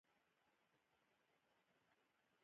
په وړکتوب کې مې له کرم خان اکا څخه اورېدلي و.